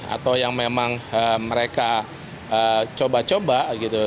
atau yang memang mereka coba coba gitu